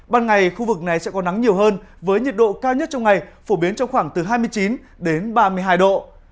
ban ngày khu vực này sẽ có nắng nhiều hơn với nhiệt độ cao nhất trong ngày phổ biến trong khoảng từ hai mươi chín đến ba mươi hai độ